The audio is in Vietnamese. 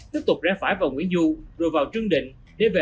tiếp tục ra phải vào nguyễn du rồi vào trương định để về lại nguyễn thị minh khai